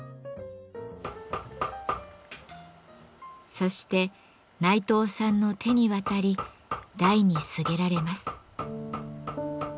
そして内藤さんの手に渡り台にすげられます。